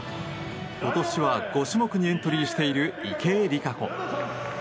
今年は５種目にエントリーしている池江璃花子。